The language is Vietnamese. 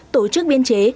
tổ chức biên chế